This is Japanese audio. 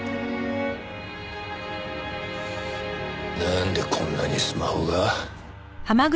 なんでこんなにスマホが？